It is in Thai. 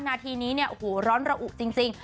นาทีนี้เนี่ยโอ้โหร้อนระอุจริง